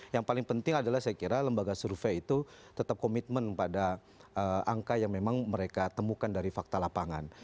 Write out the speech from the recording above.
yang paling penting adalah saya kira lembaga survei itu tetap komitmen pada angka yang memang mereka temukan dari fakta lapangan